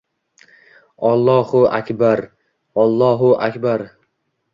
— Ollo-hu… ak-bar-r-r!… Ollohu… u… ak-bar-r.